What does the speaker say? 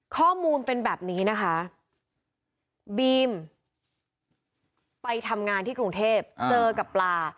ข้อมูลเป็นแบบนี้นะคะบีมไปทำงานที่กรุงเทพเจอกับปลา